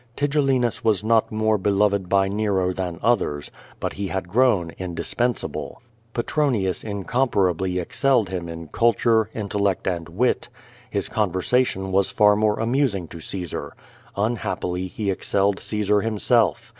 Tigellinus was not more beloved by Nero than others, but he had grown indispensable. Petronius incom parably excelled him in culture, intellect, and wit. His con versation was far more amusing to Caesar. Unhappily he ex celled Caesar himself.